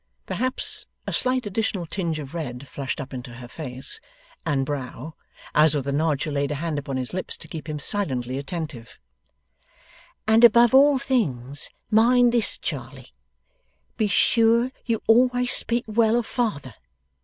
Perhaps a slight additional tinge of red flushed up into her face and brow, as with a nod she laid a hand upon his lips to keep him silently attentive. 'And above all things mind this, Charley! Be sure you always speak well of father.